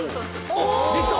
おっできた！